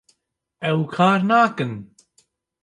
ew kar nakin